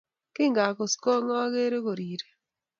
kingakus kong oger korirei